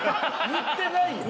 言ってないやん。